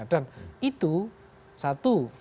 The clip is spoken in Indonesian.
dan itu satu